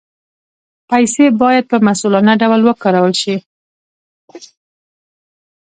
پیسې باید په مسؤلانه ډول وکارول شي.